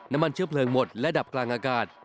น้ำมันเชื้อเพลิงหมดและดับกลางอากาศ